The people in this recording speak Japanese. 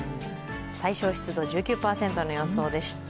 最小湿度１９％の予想でした。